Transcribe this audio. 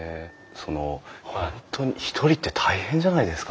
その本当に１人って大変じゃないですか？